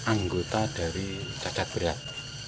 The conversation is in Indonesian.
anggota dari cacat berat